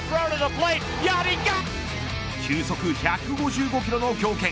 球速１５５キロの強肩。